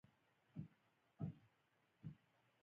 دواړه طرفونه یی وخوړل!